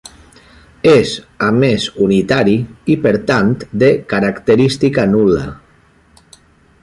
És a més unitari i per tant de característica nul·la.